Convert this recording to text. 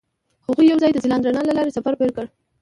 هغوی یوځای د ځلانده رڼا له لارې سفر پیل کړ.